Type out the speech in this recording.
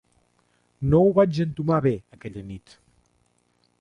No ho vaig entomar bé, aquella nit.